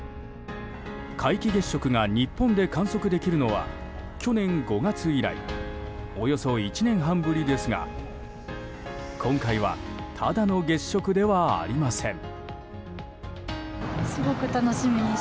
皆既月食が日本で観測できるのは去年５月以来およそ１年半ぶりですが今回はただの月食ではありません。